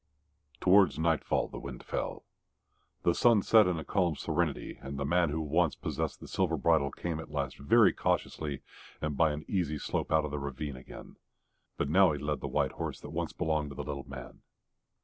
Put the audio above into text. Towards nightfall the wind fell. The sun set in a calm serenity, and the man who had once possessed the silver bridle came at last very cautiously and by an easy slope out of the ravine again; but now he led the white horse that once belonged to the little man.